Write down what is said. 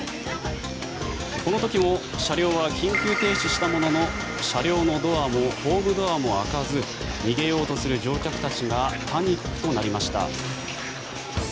この時も車両は緊急停止したものの車両のドアもホームドアも開かず逃げようとする乗客たちがパニックとなりました。